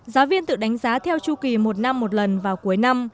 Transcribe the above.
giáo viên tự đánh giá theo chu kỳ một năm một lần vào cuối năm